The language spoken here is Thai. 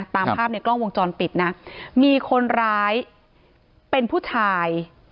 ตามภาพในกล้องวงจรปิดนะมีคนร้ายเป็นผู้ชาย